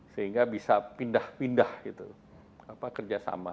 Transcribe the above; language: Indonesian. sehingga bisa pindah pindah gitu kerjasama